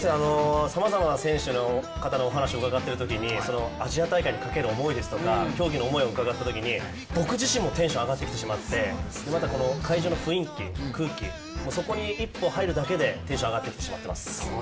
さまざまな選手の方のお話を伺ってるときにアジア大会にかける思いですとか競技の思いを伺ったときに僕自身もテンション上がってきてしまって、またこの会場の雰囲気、空気そこに一歩入るだけでテンション上がってきてしまってます。